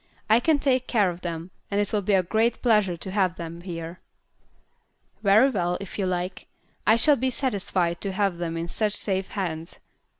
"I can take care of them, and it will be a great pleasure to have them here." "Very well, if you like. I shall be satisfied to have them in such safe hands.